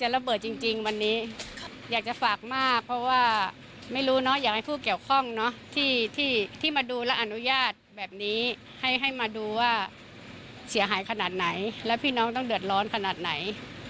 แล้วดูว่าเสียหายขนาดไหนแล้วพี่น้องต้องเดือดร้อนขนาดไหน